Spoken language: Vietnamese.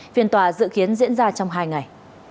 phiên tòa dự kiến diễn ra trong hai ngày